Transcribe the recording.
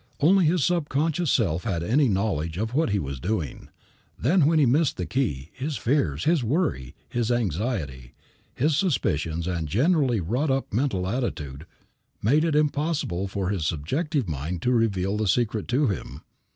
Only his subconscious self had any knowledge of what he was doing. Then when he missed the key his fears, his worry, his anxiety, his suspicions and generally wrought up mentality made it impossible for his subjective mind to reveal the secret to him.